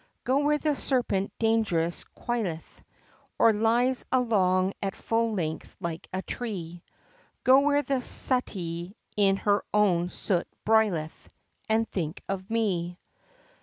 Go where the serpent dangerously coileth, Or lies along at full length like a tree, Go where the Suttee in her own soot broileth, And think of me!